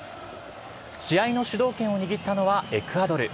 試合の主導権を握ったのは、エクアドル。